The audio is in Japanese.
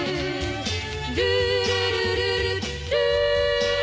「ルールルルルルー」